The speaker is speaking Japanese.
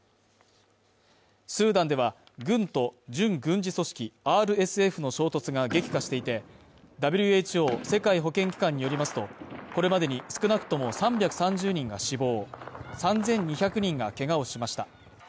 スーダンでは、軍と準軍事組織、ＲＳＦの衝突が激化していて、ＷＨＯ＝世界保健機関によりますと、これまでに少なくとも３３０人が死亡、３２００人がけがをしました。